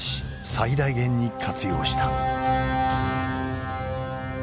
最大限に活用した。